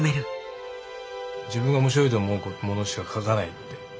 「自分が面白いと思うものしか描かない」って。